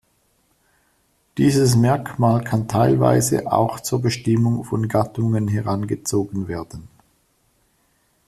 Dieses Merkmal kann teilweise auch zur Bestimmung von Gattungen herangezogen werden.